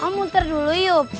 oh muter dulu yub